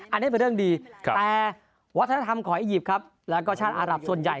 อันนี้เป็นเรื่องดีแต่วัฒนธรรมของอียิปต์ครับแล้วก็ชาติอารับส่วนใหญ่